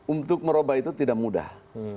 untuk merubah itu tidak mudah